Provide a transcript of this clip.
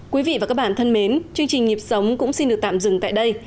quý vị và các bạn thân mến chương trình nhịp sống cũng xin được tạm dừng tại đây